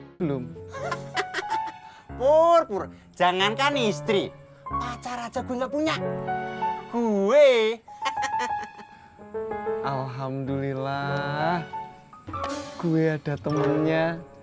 hai belum pur pur jangankan istri pacar aja gue gak punya gue alhamdulillah gue ada temennya